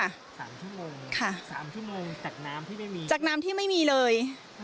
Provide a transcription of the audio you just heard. สามชั่วโมงค่ะสามชั่วโมงจากน้ำที่ไม่มีจากน้ำที่ไม่มีเลย